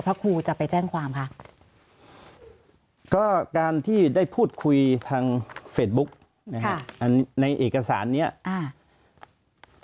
พระครูจะไปแจ้งความคะก็การที่ได้พูดคุยทางเฟซบุ๊กนะฮะอันในเอกสารเนี้ยอ่า